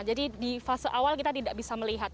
jadi di fase awal kita tidak bisa melihat